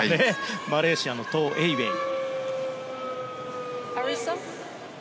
マレーシアのトー・エーウェイ。